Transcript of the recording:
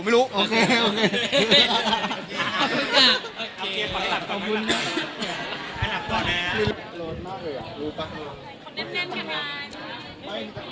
เอราะแล้วนะผมไม่เคยแซว